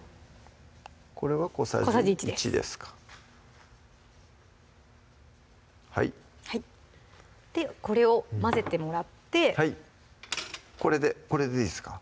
これは小さじ１ですかはいこれを混ぜてもらってこれでいいですか？